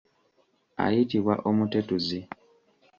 Ayitibwa omutetuzi.